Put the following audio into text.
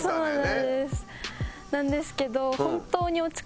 なんですけど。